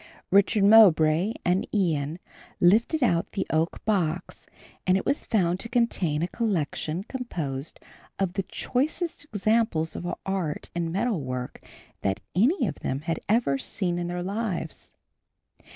Richard Mowbray and Ian lifted out the oak box and it was found to contain a collection composed of the choicest examples of art in metal work that any of them had ever seen in their lives.